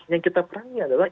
nah yang kita perangin adalah